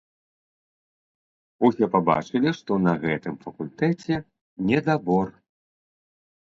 Усе пабачылі, што на гэтым факультэце недабор.